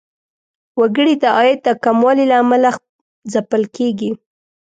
وګړي د عاید د کموالي له امله ځپل کیږي.